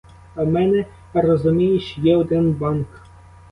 А в мене, розумієш, є один банк.